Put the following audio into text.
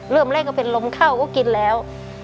เริ่มแรกก็เป็นลมเข้าก็กินแล้ว